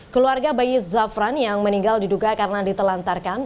keluarga bayi zafran yang meninggal diduga karena ditelantarkan